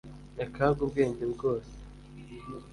img akanga ubwenge bwose